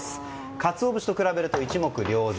カツオ節と比べると一目瞭然。